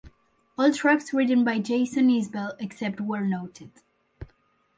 All tracks written by Jason Isbell except where noted.